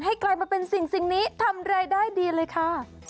กลายมาเป็นสิ่งนี้ทำรายได้ดีเลยค่ะ